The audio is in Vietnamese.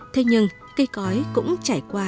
thế nhưng cây cõi cũng trải qua